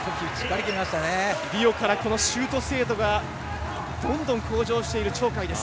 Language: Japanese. リオからシュート精度がどんどん向上している鳥海です。